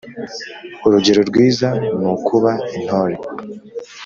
urugero rwiza nukuba intore